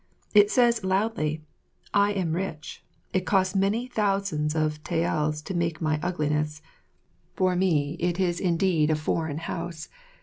It says loudly, "I am rich; it costs many thousands of taels to make my ugliness." For me, it is indeed a "foreign" house.